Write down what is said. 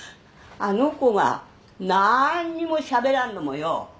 あの子が何にもしゃべらんのもよ